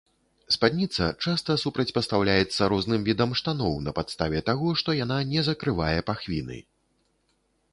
Спадніца часта супрацьпастаўляецца розным відам штаноў на падставе таго, што яна не закрывае пахвіны.